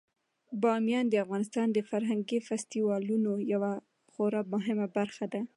بامیان د افغانستان د فرهنګي فستیوالونو یوه خورا مهمه برخه ده.